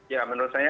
ya menurut saya